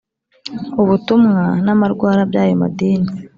ubutumwa n'amarwara by'ayo madini